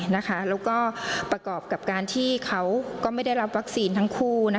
แล้วก็ประกอบกับการที่เขาก็ไม่ได้รับวัคซีนทั้งคู่